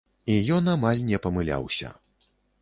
І ён амаль не памыляўся.